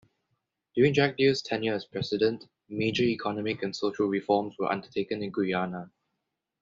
During Jagdeo's tenure as President, major economic and social reforms were undertaken in Guyana.